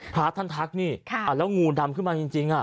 พระท่านทักนี่แล้วงูดำขึ้นมาจริง